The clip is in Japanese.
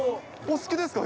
お好きですか？